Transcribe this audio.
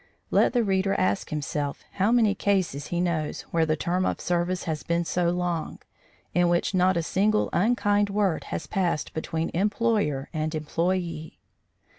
Let the reader ask himself how many cases he knows where the term of service has been so long, in which not a single unkind word has passed between employer and employee.